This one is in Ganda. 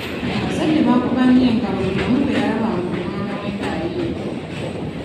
Abazadde baakuba nnyo engalo buli omu bwe yalabanga omwana we nga ayimba.